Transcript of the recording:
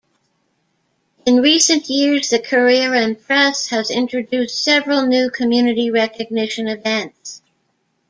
In recent years, the Courier and Press has introduced several new community recognition events.